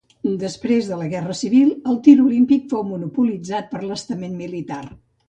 Després de la Guerra Civil, el tir olímpic fou monopolitzat per l'estament militar.